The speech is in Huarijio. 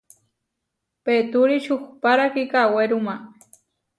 Petúri čuhpára kikawéruma.